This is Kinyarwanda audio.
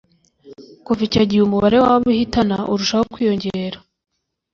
kuva icyo gihe umubare w’abo ihitana urushaho kwiyongera